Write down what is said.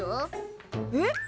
えっ！